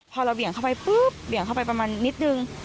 พอเราเหวี่ยงเข้าไปมาหนิดนึง